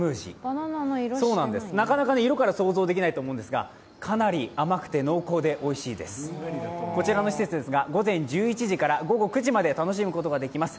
なかなか色から想像できないと思うんですがかなり甘くて濃厚でおいしいです。こちらの施設ですが、午前１１時から午後９時まで楽しむことができます。